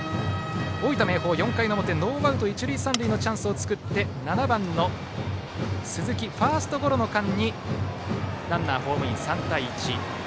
大分・明豊、４回の表ノーアウト一塁三塁のチャンスを作って７番の鈴木ファーストゴロの間にランナーがホームイン、３対１。